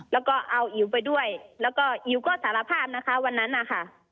แล้วก็เอาอิ๋วไปด้วยแล้วก็อิ๋วก็สารภาพนะคะวันนั้นนะคะ